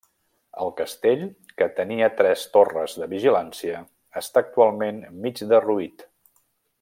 El castell, que tenia tres torres de vigilància, està actualment mig derruït.